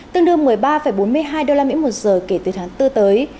tương đương một mươi ba bốn mươi hai usd một giờ kể từ tháng bốn tới